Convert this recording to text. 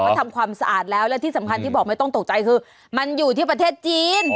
เขาทำความสะอาดแล้วและที่สำคัญที่บอกไม่ต้องตกใจคือมันอยู่ที่ประเทศจีน